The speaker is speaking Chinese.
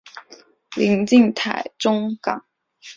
临近台中港。